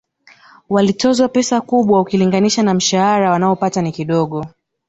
Walitozwa pesa kubwa ukilinganisha na mshahara wanaopata ni kidogo